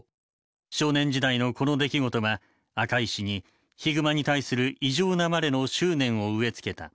少年時代のこの出来事は赤石にヒグマに対する異常なまでの執念を植え付けた。